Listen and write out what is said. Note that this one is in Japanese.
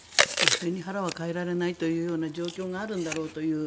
背に腹は代えられないというような状況があるんだろうという。